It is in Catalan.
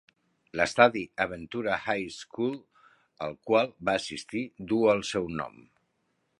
L'estadi a Ventura High School, al qual va assistir, duu el seu nom.